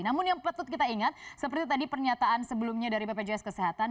namun yang patut kita ingat seperti tadi pernyataan sebelumnya dari bpjs kesehatan